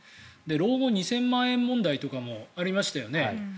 老後２０００万円問題とかもありましたよね。